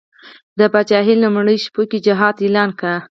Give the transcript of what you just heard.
د پاچهي لومړیو شپو کې جهاد اعلان کړ.